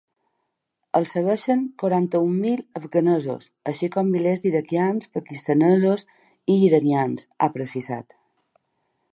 Els segueixen quaranta-un mil afganesos, així com milers d’iraquians, pakistanesos i iranians, ha precisat.